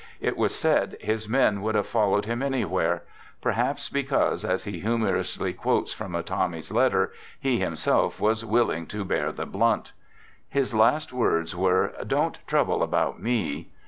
It was said his men would have followed him anywhere; perhaps because, as he humorously quotes from a Tommy's letter, he himself was willing to " bear the blunt." His last words were, " Don't trouble about me."